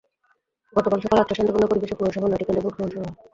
গতকাল সকাল আটটায় শান্তিপূর্ণ পরিবেশে পৌরসভার নয়টি কেন্দ্রে ভোট গ্রহণ শুরু হয়।